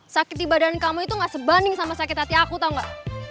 sakit di badan kamu itu gak sebanding sama sakit hati aku atau enggak